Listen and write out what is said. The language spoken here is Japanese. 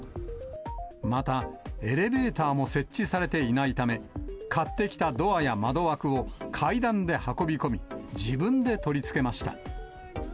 また、エレベーターも設置されていないため、買ってきたドアや窓枠を階段で運び込み、自分で取り付けました。